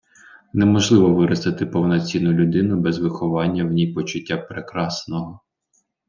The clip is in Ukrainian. Неможливо виростити повноцінну людину без виховання в ній почуття Прекрасного.